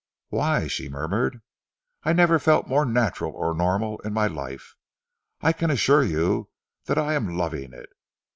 "Why?" she murmured. "I never felt more natural or normal in my life. I can assure you that I am loving it.